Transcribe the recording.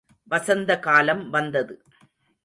வசந்த காலம் வந்தது.